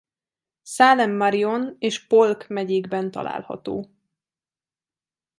Salem Marion és Polk megyékben található.